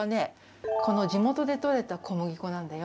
じもとでとれた小麦粉なんだよ。